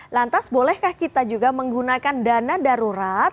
lantas bolehkah kita juga menggunakan dana darurat